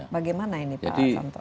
bagaimana ini pak